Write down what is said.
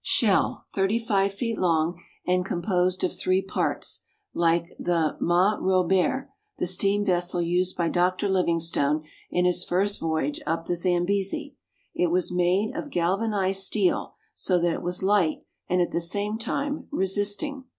ZJ shell, thirty five feet long, and composed of three parts, like the " Md Robert," the steam vessel used by Dr. Livingstone in his first voyage up the Zambesi. It was made of gal vanized steel, so that it was light, and at the same time resisting.